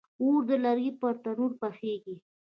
اوړه د لرګي پر تنور پخیږي